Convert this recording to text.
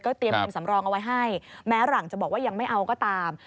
เตรียมเงินสำรองเอาไว้ให้แม้หลังจะบอกว่ายังไม่เอาก็ตาม